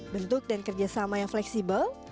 bentuk dan kerjasama yang fleksibel